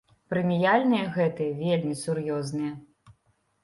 Прэміяльныя гэтыя вельмі сур'ёзныя.